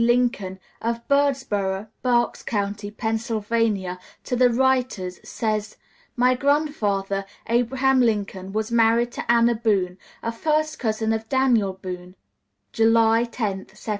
Lincoln, of Birdsboro, Berks County, Pennsylvania, to the writers, says, "My grandfather, Abraham Lincoln, was married to Anna Boone, a first cousin of Daniel Boone, July 10, 1760."